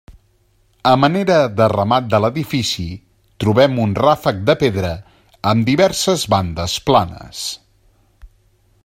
A manera de remat de l'edifici trobem un ràfec de pedra amb diverses bandes planes.